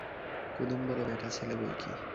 কুদুম বলে, ব্যাটাছেলে বৈকি!